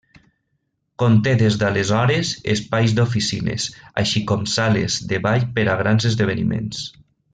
Conté des d'aleshores espais d'oficines, així com sales de ball per a grans esdeveniments.